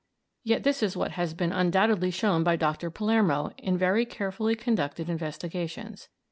Yet this is what has been undoubtedly shown by Dr. Palermo in very carefully conducted investigations.